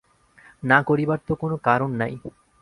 না করিবার তো কোনো কারণ নাই।